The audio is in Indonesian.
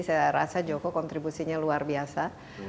saya rasa joko kontribusinya luar biasa